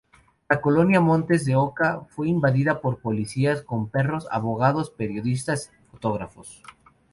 La colonia Montes de Oca fue invadida por policías con perros, abogados, periodistas, fotógrafos.